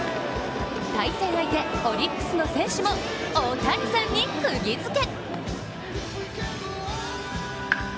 対戦相手、オリックスの選手も大谷さんにくぎづけ！